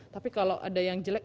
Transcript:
tapi kalau ada yang jelek